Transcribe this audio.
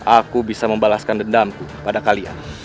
aku bisa membalaskan dendam pada kalian